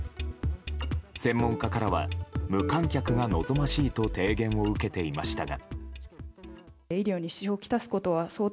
専門家からは無観客が望ましいと提言を受けていましたが。